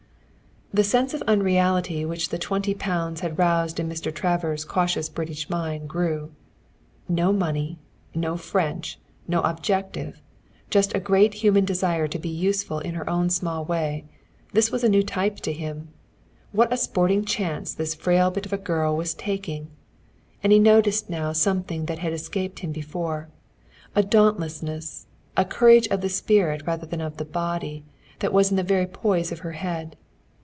The sense of unreality which the twenty pounds had roused in Mr. Travers' cautious British mind grew. No money, no French, no objective, just a great human desire to be useful in her own small way this was a new type to him. What a sporting chance this frail bit of a girl was taking! And he noticed now something that had escaped him before a dauntlessness, a courage of the spirit rather than of the body, that was in the very poise of her head.